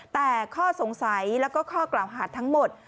แต่ข้อสงสัยแล้วก็ข้อกล่าวหาทั้งหมด